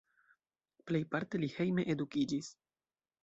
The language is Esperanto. Plejparte li hejme edukiĝis.